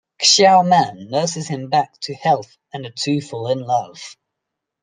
Xiao Man nurses him back to health and the two fall in love.